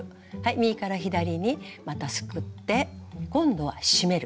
右から左にまたすくって今度は締める。